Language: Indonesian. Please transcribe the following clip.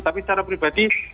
tapi secara pribadi